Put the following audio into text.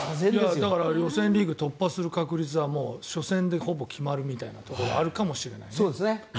予選リーグ突破する確率はもう初戦でほぼ決まるみたいなところがあるかもしれないね。